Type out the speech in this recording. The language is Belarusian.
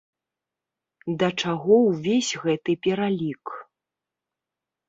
Да чаго ўвесь гэты пералік?